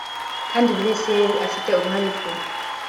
kandi buri wese yari afite uruhare rwe